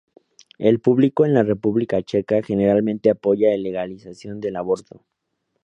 El público en la República Checa generalmente apoya el legalización del aborto.